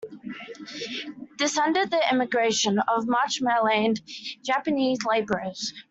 This ended the immigration of much-maligned Japanese laborers.